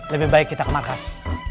lebih baik kita ke makas